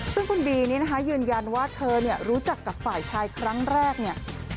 ซึ่งคุณบีนี้นะคะยืนยันว่าเธอเนี่ยรู้จักกับฝ่ายชายครั้งแรกเนี่ย